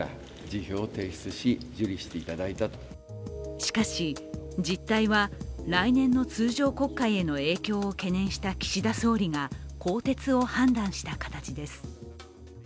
しかし、実態は、来年の通常国会での影響を懸念した岸田総理が更迭を判断した形です。